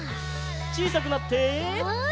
ちいさくなって。